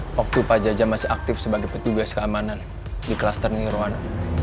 waktu pak jaja masih aktif sebagai petugas keamanan di klaster nirwana